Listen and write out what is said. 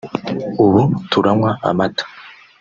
ubu turanywa amata